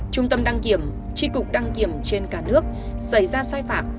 trung tâm đăng kiểm tri cục đăng kiểm trên cả nước xảy ra sai phạm